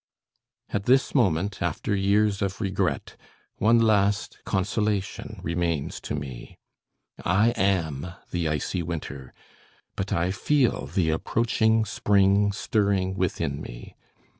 At this moment, after years of regret, one last consolation remains to me. I am the icy winter, but I feel the approaching spring stirring within me.